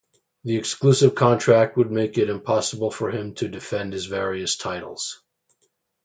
The exclusive contract would make it impossible for him to defend his various titles.